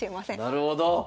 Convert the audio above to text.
なるほど！